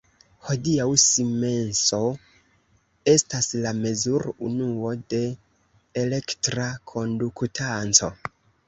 Hodiaŭ simenso estas la mezur-unuo de elektra konduktanco.